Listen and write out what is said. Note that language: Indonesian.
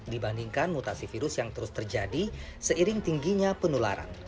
dibandingkan mutasi virus yang terus terjadi seiring tingginya penularan